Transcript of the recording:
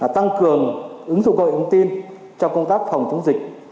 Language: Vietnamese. tăng cường ứng dụng gọi ứng tin cho công tác phòng chống dịch